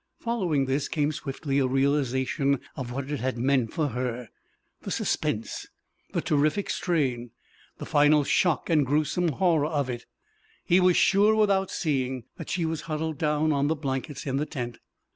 Following this came swiftly a realization of what it had meant for her the suspense, the terrific strain, the final shock and gruesome horror of it. He was sure, without seeing, that she was huddled down on the blankets in the tent.